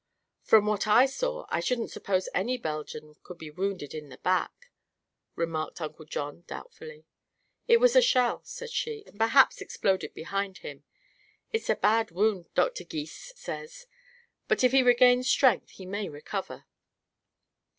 "From what I saw I wouldn't suppose any Belgian could be wounded in the back," remarked Uncle John doubtfully. "It was a shell," she said, "and perhaps exploded behind him. It's a bad wound, Dr. Gys says, but if he regains strength he may recover."